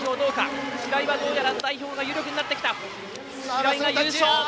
白井が優勝！